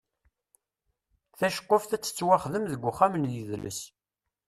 Taceqquft ad tettwaxdem deg uxxam n yidles.